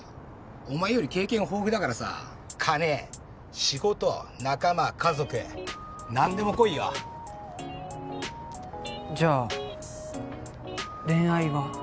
お前より経験豊富だからさ金仕事仲間家族何でも来いよじゃあ恋愛は？